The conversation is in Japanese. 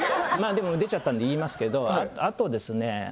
でも出ちゃったんで言いますけどあとですね